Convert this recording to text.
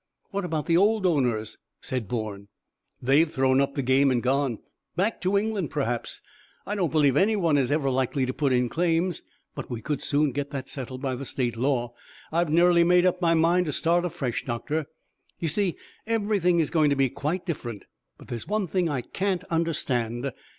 "What about the old owners?" said Bourne. "They've thrown up the game and gone back to England, perhaps. I don't believe any one is ever likely to put in claims, but we could soon get that settled by the State law. I've nearly made up my mind to start afresh, doctor. You see, everything is going to be quite different; but there's one thing I can't understand.